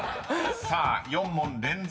［さあ４問連続正解］